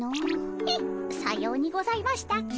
えっさようにございましたっけ？